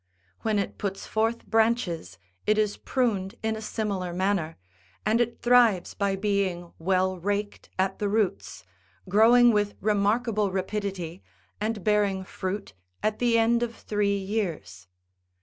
When it puts forth branches it is pruned in a similar manner, and it thrives by being well raked at the roots, growing with remarkable rapidity, and bearing fruit at the end of three years.